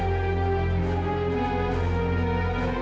itu bukan anak kak fadil tante